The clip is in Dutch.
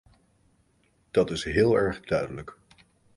Dat is heel erg duidelijk.